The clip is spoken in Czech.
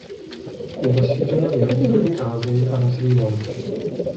Je rozšířena v jihovýchodní Asii a na Srí Lance.